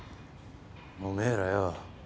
おめえらよ